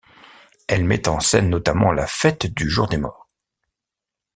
Elle met en scène notamment la fête du Jour des morts.